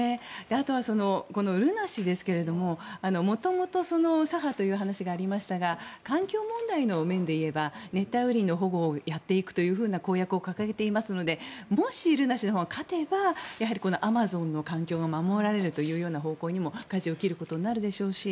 あとは、このルラ氏ですが元々、左派という話がありましたが環境問題の面でいえば熱帯雨林の保護をやっていくというような公約を掲げていますのでもしルラ氏のほうが勝てばやはりアマゾンの環境が守られるというような方向にもかじを切ることになるでしょうし